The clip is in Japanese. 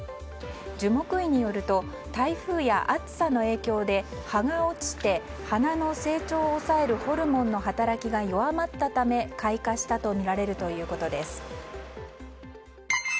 樹木医によると台風や暑さの影響で葉が落ちて花の成長を抑えるホルモンの働きが弱まったためはぁ朝から仕事したくなーい